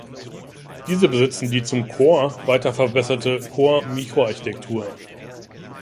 Diese besitzen die zum Core weiter verbesserte Core-Mikroarchitektur.